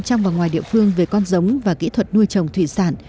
trong và ngoài địa phương về con giống và kỹ thuật nuôi cá